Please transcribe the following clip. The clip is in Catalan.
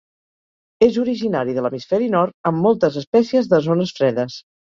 És originari de l'hemisferi nord amb moltes espècies de zones fredes.